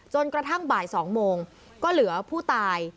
กระทั่งบ่าย๒โมงก็เหลือผู้ตาย